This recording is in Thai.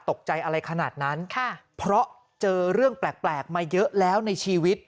ตกใจอะไรขนาดนั้นค่ะเพราะเจอเรื่องแปลกมาเยอะแล้วในชีวิต